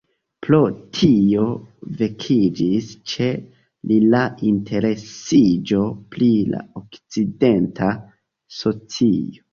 Pro tio vekiĝis ĉe li la interesiĝo pri la okcidenta socio.